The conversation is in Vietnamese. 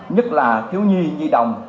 nhất là thiếu nhi di động